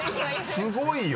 すごいよ！